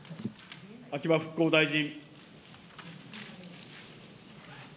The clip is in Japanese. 秋葉復興大臣。